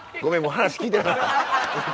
話聞いてなかった。